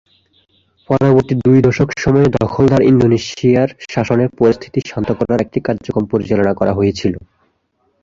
পরবর্তী দুই-দশক সময়ে দখলদার ইন্দোনেশিয়ার শাসনে পরিস্থিতি শান্ত করার একটি কার্যক্রম পরিচালনা করা হয়েছিল।